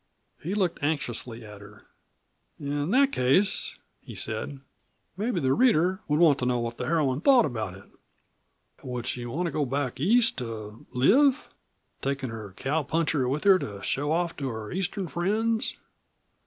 He looked anxiously at her. "In that case," he said, "mebbe the reader would want to know what the heroine thought about it. Would she want to go back East to live takin' her cowpuncher with her to show off to her Eastern friends?"